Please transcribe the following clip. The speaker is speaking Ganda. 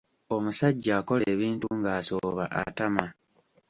Omusajja akola ebintu ng'asooba atama.